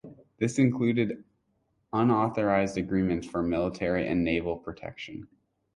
This included unauthorized agreements for military and naval protection.